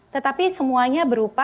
tetapi semuanya berupa